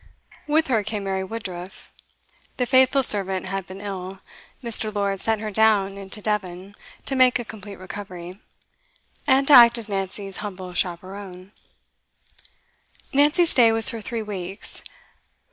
With her came Mary Woodruff. The faithful servant had been ill; Mr Lord sent her down into Devon to make a complete recovery, and to act as Nancy's humble chaperon. Nancy's stay was for three weeks.